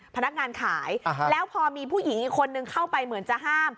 พนักงานขายแล้วพอมีผู้หญิงอีกคนนึงเข้าไปเหมือนจะห้าม